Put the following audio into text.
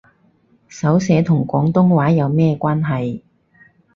手寫同廣東話有咩關係